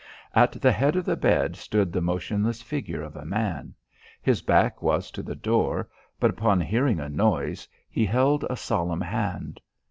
At the head of the bed stood the motionless figure of a man. His back was to the door, but upon hearing a noise he held a solemn hand.